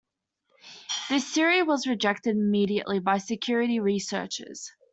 This theory was rejected immediately by security researchers.